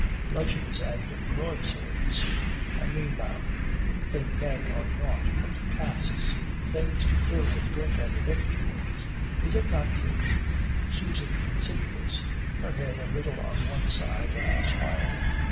Bludgeons and broadswords! I mean, ma'am, you think men are nought but casks things to fill with drink and victuals. Is it not true?" Susan considered this, her head a little on one side and smiling.